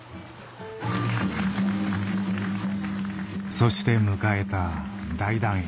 そして迎えた大団円。